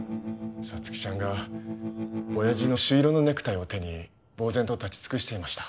皐月ちゃんが親父の朱色のネクタイを手にぼう然と立ちつくしてました